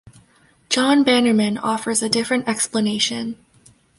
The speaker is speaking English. John Bannerman offers a different explanation.